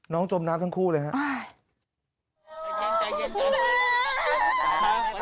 จมน้ำทั้งคู่เลยครับ